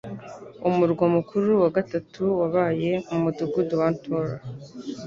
Umurwa mukuru wa gatatu wabaye mu Mudugudu wa Ntora